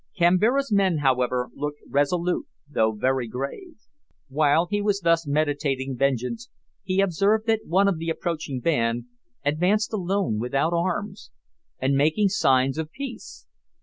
Kambira's men, however, looked resolute, though very grave. While he was thus meditating vengeance, he observed that one of the approaching band advanced alone without arms, and making signs of peace.